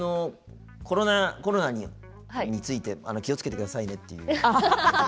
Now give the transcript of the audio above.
コロナについて気をつけてくださいねっていう。